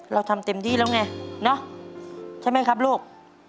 เราทำเต็มที่แล้วไงเนาะใช่ไหมครับลูก